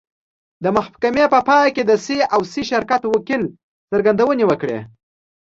د محکمې په پای کې د سي او سي شرکت وکیل څرګندونې وکړې.